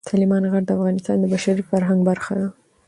سلیمان غر د افغانستان د بشري فرهنګ برخه ده.